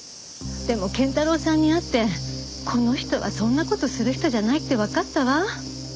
でも謙太郎さんに会ってこの人はそんな事する人じゃないってわかったわ。